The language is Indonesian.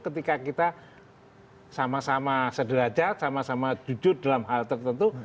ketika kita sama sama sederajat sama sama jujur dalam hal tertentu